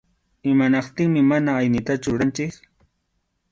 Imanaptinmi mana aynitachu ruranchik.